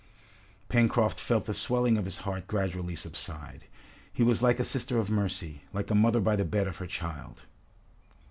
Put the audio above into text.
Pencroft felt the swelling of his heart gradually subside. He was like a sister of mercy, like a mother by the bed of her child.